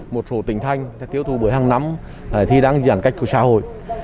một số tỉnh thanh tiêu thụ bưởi hàng năm thì đang giãn cách của xã hội